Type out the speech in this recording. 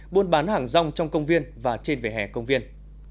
buôn bán hàng rong trong công viên và trên vẻ hẻ công viên